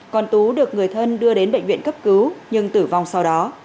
còn tú được người thân đưa đến bệnh viện cấp cứu nhưng tử vong sau đó